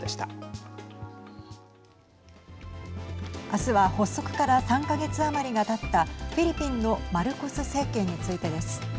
明日は発足から３か月余りがたったフィリピンのマルコス政権についてです。